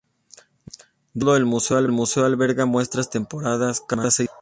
De igual modo, el museo alberga muestras temporales cada seis semanas.